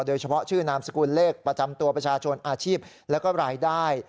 โดยเฉพาะชื่อนามสกุลเลขประจำตัวประชาชนอาชีพและรายได้